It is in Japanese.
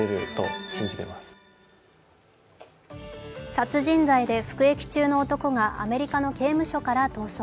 殺人罪で服役中の男がアメリカの刑務所から逃走。